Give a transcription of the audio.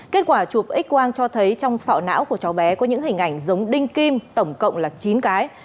kết quả chụp x quang cho thấy trong sọ não của cháu bé có những hình ảnh giống đinh kim tổng cộng là chín cái